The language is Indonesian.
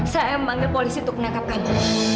saya memanggil polisi untuk menangkap kami